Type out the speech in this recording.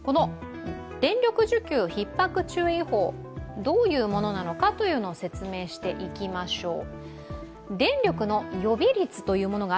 電力需給ひっ迫注意報、どういうものなのか、説明していきましょう。